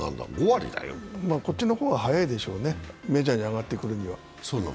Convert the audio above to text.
こっちの方が早いでしょうね、メジャーに上ってくるのには。